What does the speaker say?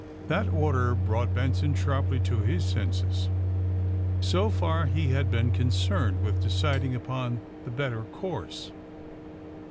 That order brought Benson sharply to his senses. So far he had been concerned with de ciding upon the better course.